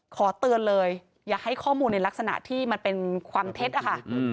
ขอเตือนเลยอย่าให้ข้อมูลในลักษณะที่มันเป็นความเท็จอะค่ะ